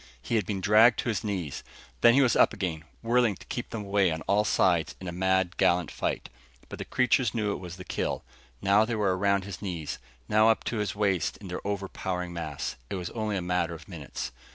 He had been dragged to his knees. Then he was up again, whirling to keep them away on all sides in a mad, gallant fight. But the creatures knew it was the kill. Now they were around his knees, now up to his waist in their overpowering mass. It was only a matter of minutes.